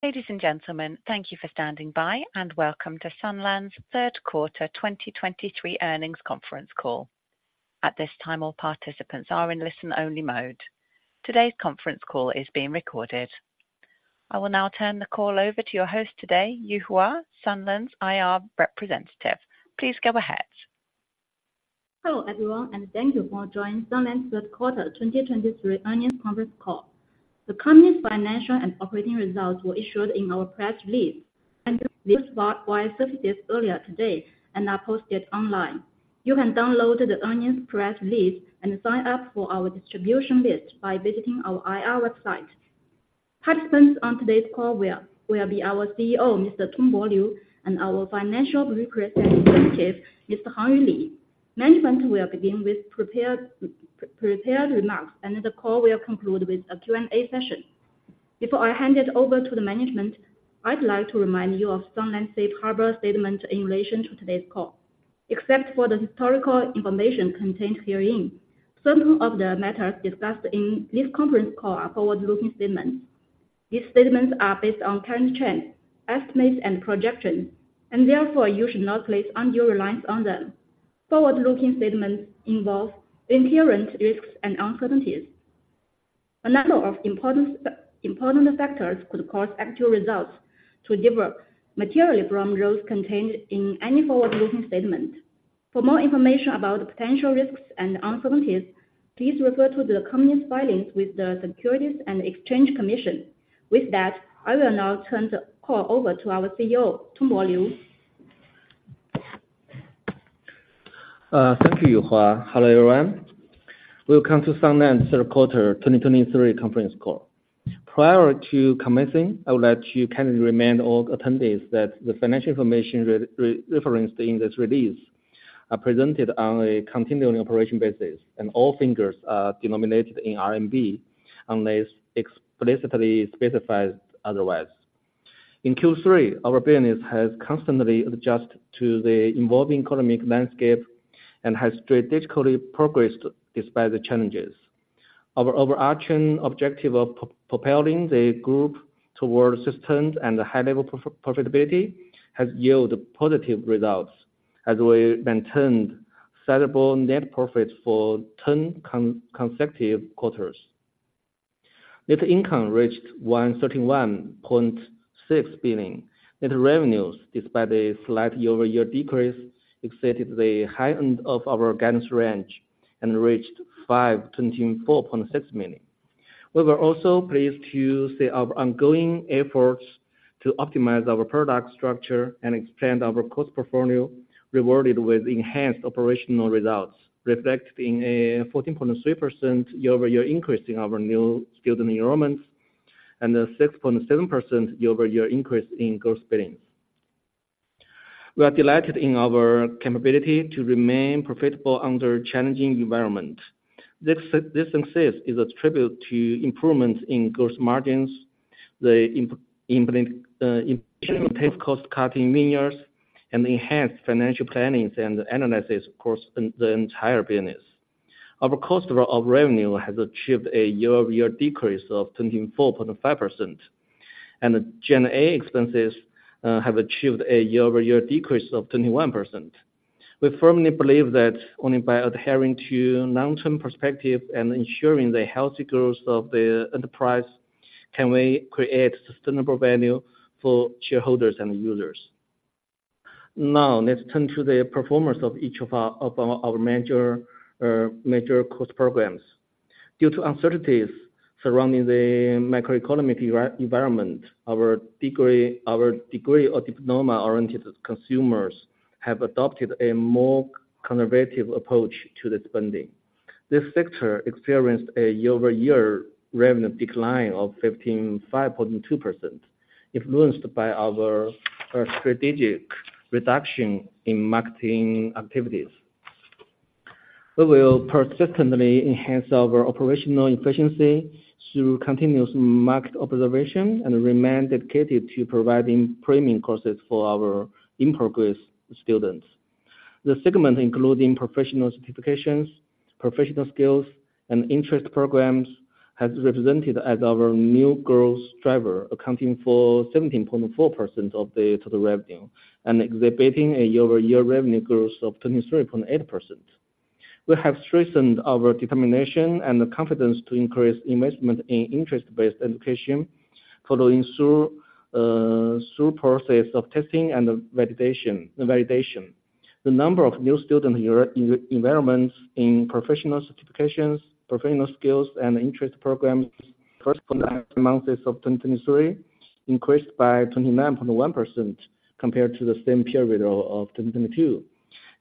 Ladies and gentlemen, thank you for standing by, and welcome to Sunlands' third quarter 2023 earnings conference call. At this time, all participants are in listen-only mode. Today's conference call is being recorded. I will now turn the call over to your host today, Yuhua, Sunlands' IR representative. Please go ahead. Hello, everyone, and thank you for joining Sunlands' third quarter 2023 earnings conference call. The company's financial and operating results were issued in our press release, and via wire services earlier today and are posted online. You can download the earnings press release and sign up for our distribution list by visiting our IR website. Participants on today's call will be our CEO, Mr. Tongbo Liu, and our Financial Vice President Mr. Hangyu Li. Management will begin with prepared remarks, and the call will conclude with a Q&A session. Before I hand it over to the management, I'd like to remind you of Sunlands' safe harbor statement in relation to today's call. Except for the historical information contained herein, certain of the matters discussed in this conference call are forward-looking statements. These statements are based on current trends, estimates, and projections, and therefore you should not place undue reliance on them. Forward-looking statements involve inherent risks and uncertainties. A number of important factors could cause actual results to differ materially from those contained in any forward-looking statement. For more information about the potential risks and uncertainties, please refer to the company's filings with the Securities and Exchange Commission. With that, I will now turn the call over to our CEO, Tongbo Liu. Thank you, Yuhua. Hello, everyone. Welcome to Sunlands third quarter 2023 conference call. Prior to commencing, I would like to kindly remind all attendees that the financial information referenced in this release are presented on a continuing operation basis, and all figures are denominated in RMB, unless explicitly specified otherwise. In Q3, our business has constantly adjusted to the evolving economic landscape and has strategically progressed despite the challenges. Our overarching objective of propelling the group towards sustained and high-level profitability has yielded positive results as we maintained sustainable net profit for 10 consecutive quarters. Net income reached 131.6 million. Net revenues, despite a slight year-over-year decrease, exceeded the high end of our guidance range and reached 524.6 million. We were also pleased to see our ongoing efforts to optimize our product structure and expand our course portfolio, rewarded with enhanced operational results, reflecting a 14.3% year-over-year increase in our new student enrollments, and a 6.7% year-over-year increase in gross billings. We are delighted in our capability to remain profitable under challenging environment. This success is a tribute to improvements in gross margins, the implementation of cost-cutting measures, and enhanced financial plannings and analysis across the entire business. Our cost of revenue has achieved a year-over-year decrease of 24.5%, and general admin expenses have achieved a year-over-year decrease of 21%. We firmly believe that only by adhering to long-term perspective and ensuring the healthy growth of the enterprise, can we create sustainable value for shareholders and users. Now, let's turn to the performance of each of our major course programs. Due to uncertainties surrounding the macroeconomic environment, our degree or diploma-oriented consumers have adopted a more conservative approach to their spending. This sector experienced a year-over-year revenue decline of 15.2%, influenced by our strategic reduction in marketing activities. We will persistently enhance our operational efficiency through continuous market observation and remain dedicated to providing premium courses for our in-progress students. The segment, including professional certifications, professional skills, and interest programs, has represented as our new growth driver, accounting for 17.4% of the total revenue and exhibiting a year-over-year revenue growth of 23.8%. We have strengthened our determination and the confidence to increase investment in interest-based education, following through the process of testing and validation. The number of new student enrollments in professional certifications, professional skills, and interest programs first four months of 2023, increased by 29.1% compared to the same period of 2022.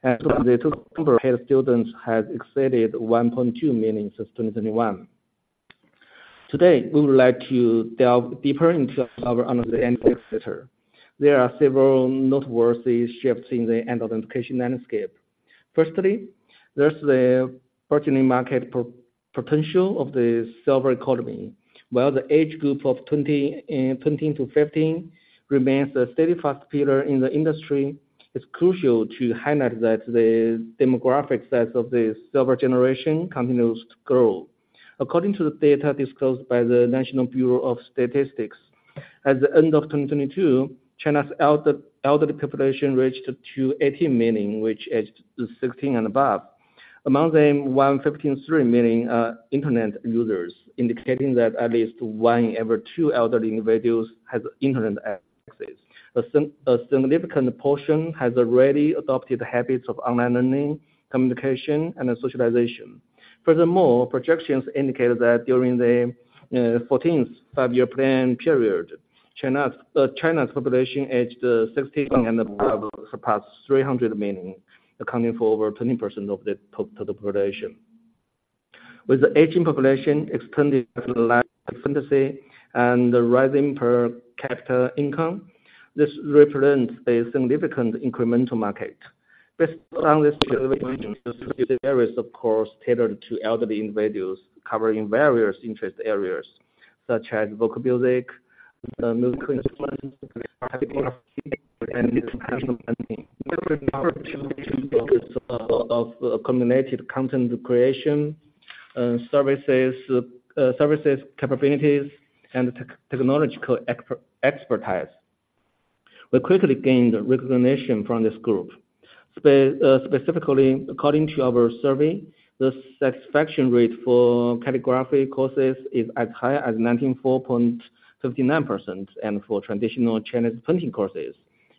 The total students has exceeded 1.2 million in 2021. Today, we would like to delve deeper into our online education sector. There are several noteworthy shifts in the online education landscape. Firstly, there's the burgeoning market potential of the silver economy. While the age group of 20 to 50 remains a steady first pillar in the industry, it's crucial to highlight that the demographic size of the silver generation continues to grow. According to the data disclosed by the National Bureau of Statistics, at the end of 2022, China's elderly population reached 280 million, aged 60 and above. Among them, 153 million are internet users, indicating that at least one in every two elderly individuals has internet access. A significant portion has already adopted the habits of online learning, communication, and socialization. Furthermore, projections indicate that during the Fourteenth Five-Year Plan period, China's population aged 60 and above will surpass 300 million, accounting for over 20% of the total population. With the aging population extending life expectancy and the rising per capita income, this represents a significant incremental market. Based on this there is, of course, tailored to elderly individuals, covering various interest areas such as vocal music, musical instruments, and traditional painting. of accumulated content creation, services capabilities, and technological expertise. We quickly gained recognition from this group. Specifically, according to our survey, the satisfaction rate for calligraphy courses is as high as 94.59%, and for traditional Chinese painting courses,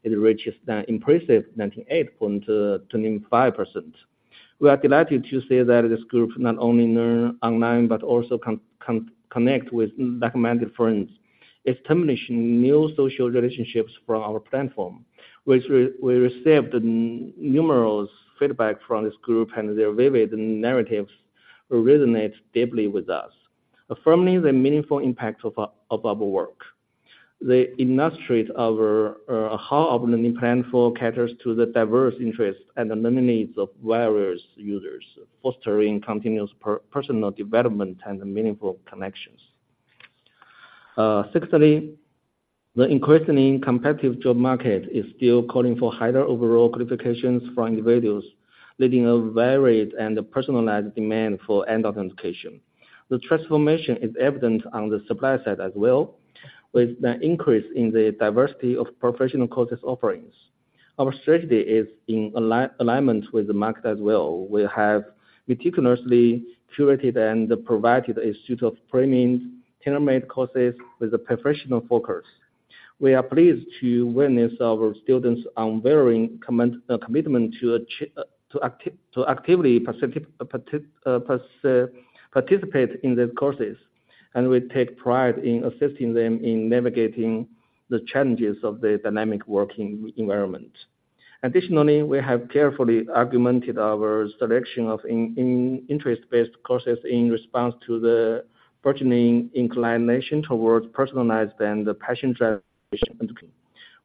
it reaches the impressive 98.25%. We are delighted to say that this group not only learn online, but also connect with like-minded friends, establishing new social relationships from our platform. We received numerous feedback from this group, and their vivid narratives resonate deeply with us, affirming the meaningful impact of our work. They illustrate how our learning platform caters to the diverse interests and the needs of various users, fostering continuous personal development and meaningful connections. Secondly, the increasing competitive job market is still calling for higher overall qualifications from individuals, leading a varied and personalized demand for adult education. The transformation is evident on the supply side as well, with the increase in the diversity of professional courses offerings. Our strategy is in alignment with the market as well. We have meticulously curated and provided a suite of premium tailor-made courses with a professional focus. We are pleased to witness our students' unwavering commitment to actively participate in these courses, and we take pride in assisting them in navigating the challenges of the dynamic working environment. Additionally, we have carefully augmented our selection of interest-based courses in response to the burgeoning inclination towards personalized and passion-driven.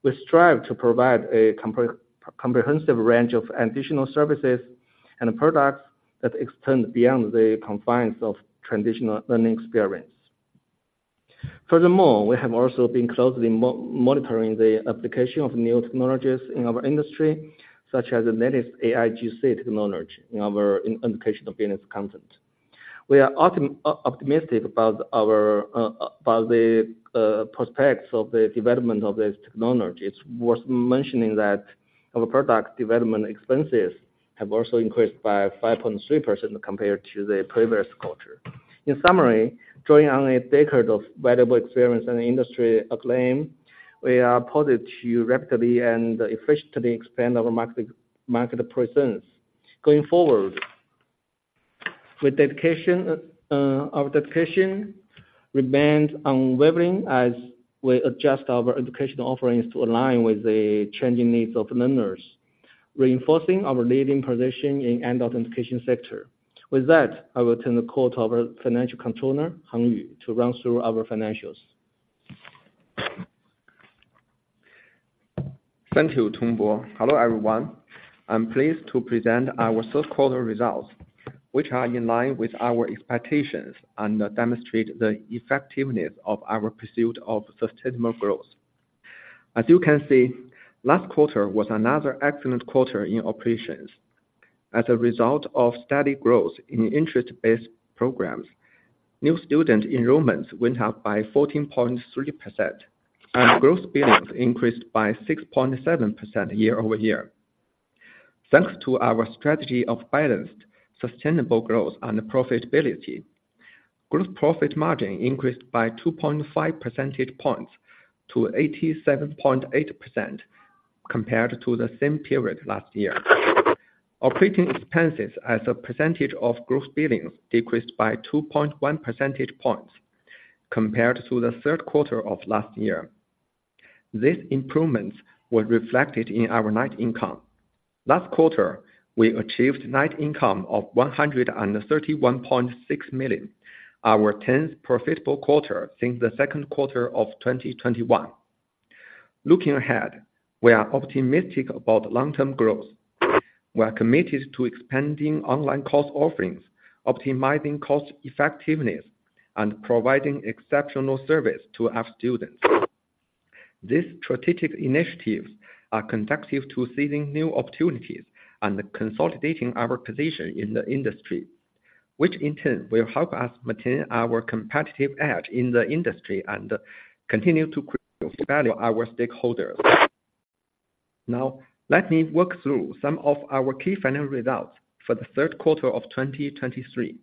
We strive to provide a comprehensive range of additional services and products that extend beyond the confines of traditional learning experience. Furthermore, we have also been closely monitoring the application of new technologies in our industry, such as the latest AIGC technology in our educational business content. We are optimistic about our prospects of the development of this technology. It's worth mentioning that our product development expenses have also increased by 5.3% compared to the previous quarter. In summary, drawing on a decade of valuable experience and industry acclaim, we are poised to rapidly and efficiently expand our market presence. Going forward, our dedication remains unwavering as we adjust our educational offerings to align with the changing needs of learners, reinforcing our leading position in adult education sector. With that, I will turn the call to our Financial Controller, Hangyu Li, to run through our financials. Thank you, Tongbo. Hello, everyone. I'm pleased to present our third quarter results, which are in line with our expectations and demonstrate the effectiveness of our pursuit of sustainable growth. As you can see, last quarter was another excellent quarter in operations. As a result of steady growth in interest-based programs, new student enrollments went up by 14.3%, and gross billings increased by 6.7% year-over-year. Thanks to our strategy of balanced, sustainable growth and profitability, gross profit margin increased by 2.5 percentage points to 87.8% compared to the same period last year. Operating expenses as a percentage of gross billings decreased by 2.1 percentage points compared to the third quarter of last year. These improvements were reflected in our net income. Last quarter, we achieved net income of 131.6 million, our 10th profitable quarter since the second quarter of 2021. Looking ahead, we are optimistic about long-term growth. We are committed to expanding online course offerings, optimizing cost effectiveness, and providing exceptional service to our students.... These strategic initiatives are conducive to seizing new opportunities and consolidating our position in the industry, which in turn will help us maintain our competitive edge in the industry and continue to create value for our stakeholders. Now, let me walk through some of our key financial results for the third quarter of 2023.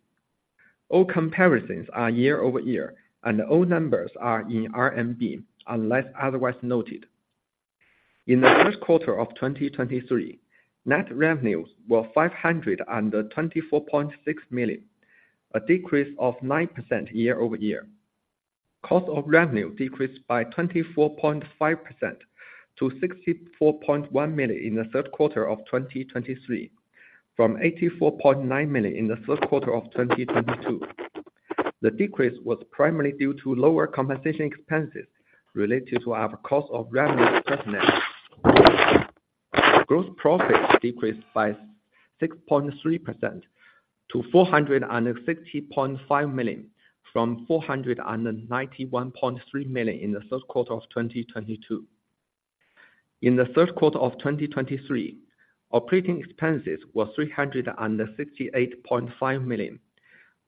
All comparisons are year-over-year, and all numbers are in RMB, unless otherwise noted. In the first quarter of 2023, net revenues were 524.6 million, a decrease of 9% year-over-year. Cost of revenue decreased by 24.5% to 64.1 million in the third quarter of 2023, from 84.9 million in the third quarter of 2022. The decrease was primarily due to lower compensation expenses related to our cost of revenue partners. Gross profit decreased by 6.3% to 460.5 million from 491.3 million in the third quarter of 2022. In the third quarter of 2023, operating expenses were 368.5 million,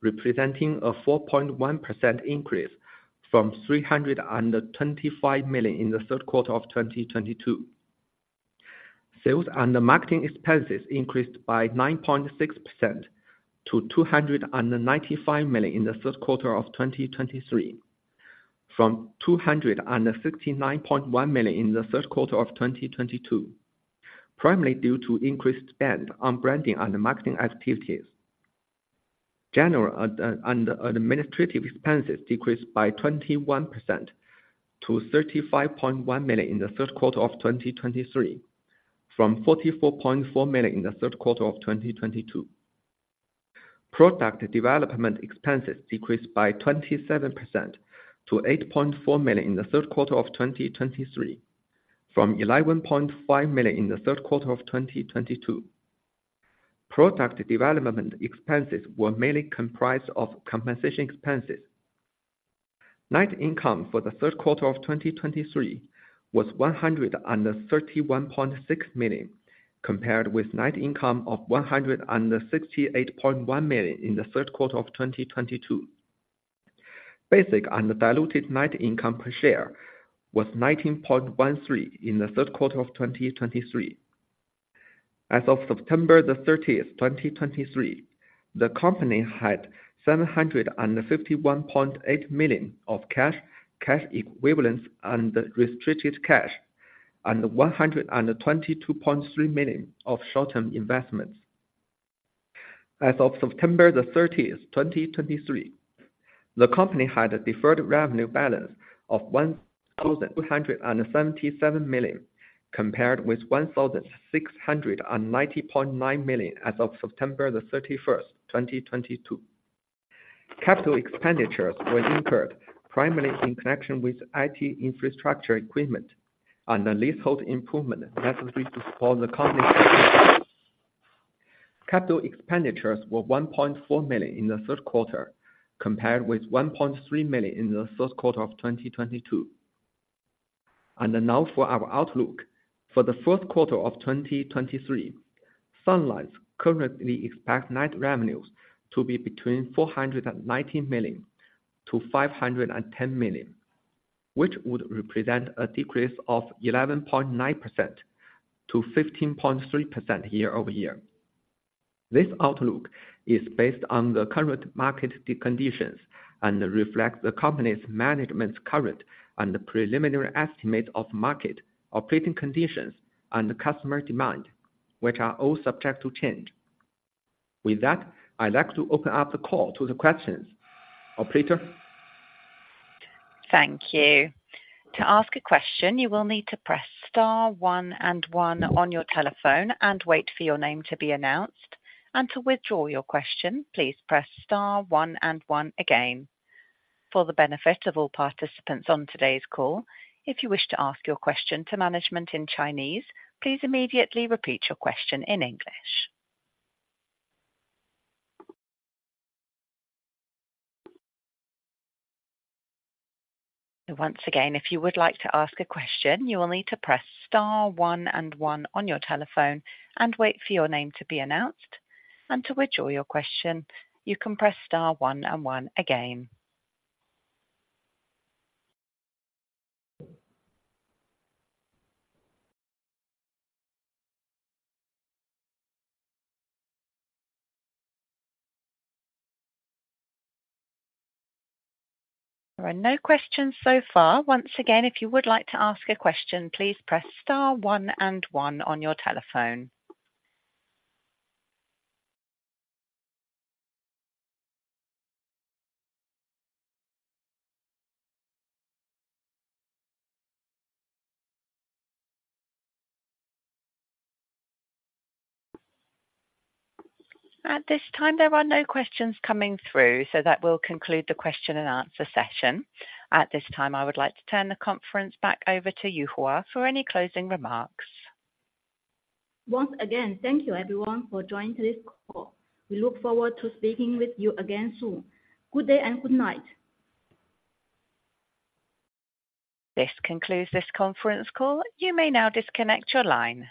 representing a 4.1% increase from 325 million in the third quarter of 2022. Sales and marketing expenses increased by 9.6% to 295 million in the third quarter of 2023, from 269.1 million in the third quarter of 2022. Primarily due to increased spend on branding and marketing activities. General and administrative expenses decreased by 21% to 35.1 million in the third quarter of 2023, from 44.4 million in the third quarter of 2022. Product development expenses decreased by 27% to 8.4 million in the third quarter of 2023, from 11.5 million in the third quarter of 2022. Product development expenses were mainly comprised of compensation expenses. Net income for the third quarter of 2023 was 131.6 million, compared with net income of 168.1 million in the third quarter of 2022. Basic and diluted net income per share was 19.13 in the third quarter of 2023. As of September 30, 2023, the company had 751.8 million of cash, cash equivalents, and restricted cash, and 122.3 million of short-term investments. As of September 30, 2023, the company had a deferred revenue balance of 1,277 million, compared with 1,690.9 million as of September 30, 2022. Capital expenditures were incurred primarily in connection with IT infrastructure equipment and the leasehold improvements necessary to support the company. Capital expenditures were 1.4 million in the third quarter, compared with 1.3 million in the third quarter of 2022. Now for our outlook. For the fourth quarter of 2023, Sunlands currently expects net revenues to be between 490 million and 510 million, which would represent a decrease of 11.9%-15.3% year-over-year. This outlook is based on the current market conditions and reflects the company's management's current and preliminary estimates of market, operating conditions, and customer demand, which are all subject to change. With that, I'd like to open up the call to the questions. Operator? Thank you. To ask a question, you will need to press star one and one on your telephone and wait for your name to be announced, and to withdraw your question, please press star one and one again. For the benefit of all participants on today's call, if you wish to ask your question to management in Chinese, please immediately repeat your question in English. Once again, if you would like to ask a question, you will need to press star one and one on your telephone and wait for your name to be announced, and to withdraw your question, you can press star one and one again. There are no questions so far. Once again, if you would like to ask a question, please press star one and one on your telephone. At this time, there are no questions coming through, so that will conclude the question and answer session. At this time, I would like to turn the conference back over to Yuhua for any closing remarks. Once again, thank you everyone for joining this call. We look forward to speaking with you again soon. Good day and good night! This concludes this conference call. You may now disconnect your line.